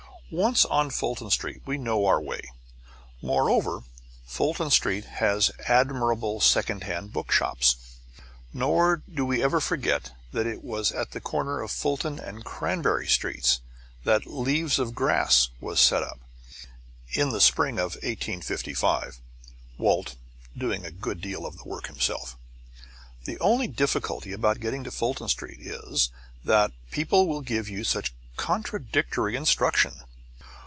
Once on Fulton Street we know our way. Moreover, Fulton Street has admirable second hand bookshops. Nor do we ever forget that it was at the corner of Fulton and Cranberry streets that "Leaves of Grass" was set up, in the spring of 1855, Walt doing a good deal of the work himself. The only difficulty about getting to Fulton Street is that people will give you such contradictory instruction.